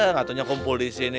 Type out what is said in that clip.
eh katanya kumpul disini